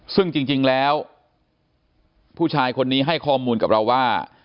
ซึ่งจริงแล้วผู้ชายคนนี้ให้ข้อมูลกับเราว่า